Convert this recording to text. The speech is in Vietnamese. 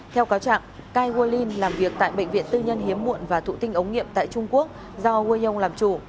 theo cáo trạng cai guo lin làm việc tại bệnh viện tư nhân hiếm muộn và thụ tinh ống nghiệm tại trung quốc do quê nhông làm chủ